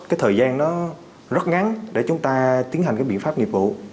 cái thời gian nó rất ngắn để chúng ta tiến hành cái biện pháp nghiệp vụ